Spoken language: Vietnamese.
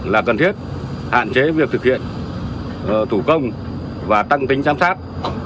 là cần thiết hạn chế việc thực hiện thủ công và tăng tính giám sát